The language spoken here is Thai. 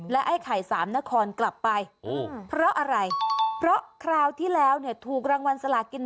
ไอ้ไข่สามนครกลับไปเพราะอะไรเพราะคราวที่แล้วเนี่ยถูกรางวัลสลากิน